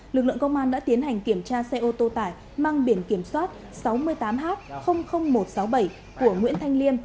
lực lượng công an đã tiến hành kiểm tra xe ô tô tải mang biển kiểm soát sáu mươi tám h một trăm sáu mươi bảy của nguyễn thanh liêm